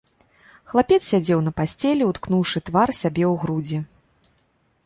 Хлапец сядзеў на пасцелі, уткнуўшы твар сабе ў грудзі.